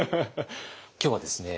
今日はですね